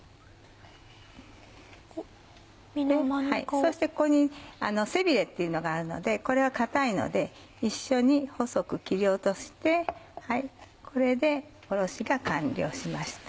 そしてここに背ビレっていうのがあるのでこれは硬いので一緒に細く切り落としてこれでおろしが完了しました。